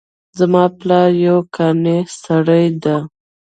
زما پلار یو قانع سړی ده